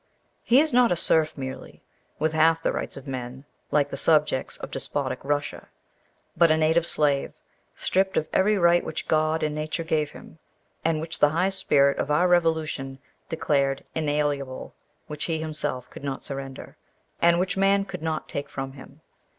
He is not a serf merely, with half the rights of men like the subjects of despotic Russia; but a native slave, stripped of every right which God and nature gave him, and which the high spirit of our revolution declared inalienable which he himself could not surrender, and which man could not take from him.